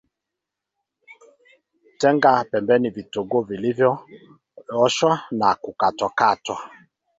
Tenga pembeni vitunguu vilivyooshwa na kukatwa katwa